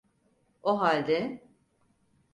O halde...